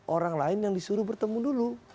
orang lain yang disuruh bertemu dulu